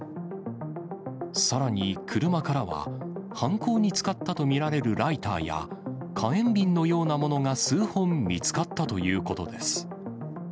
さらに、車からは犯行に使ったと見られるライターや、火炎瓶のようなものが数本見つかったということです。